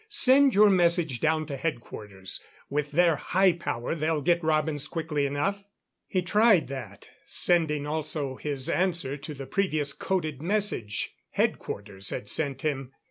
"Send your message down to Headquarters with their high power they'll get Robins quickly enough." He tried that sending also his answer to the previous coded message Headquarters had sent him.